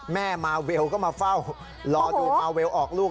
แม่มาเวลก็มาเฝ้ารอดูมาเวลออกลูก